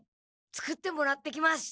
作ってもらってきます。